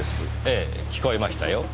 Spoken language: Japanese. ええ聞こえましたよ。